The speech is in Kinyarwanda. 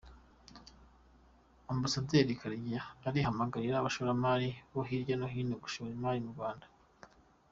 Ambasaderi Karega arahamagarira abashoramari bo hirya no hino gushora imari mu Rwanda.